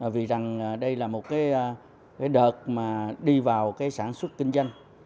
vì đây là một đợt đi vào sản xuất kinh doanh